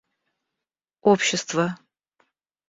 общества